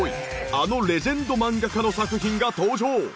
あのレジェンド漫画家の作品が登場。